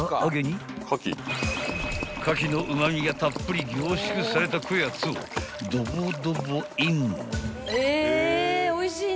［カキのうま味がたっぷり凝縮されたこやつをドボドボイン！］